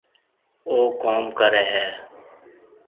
او ڪوم ڪري هيَ۔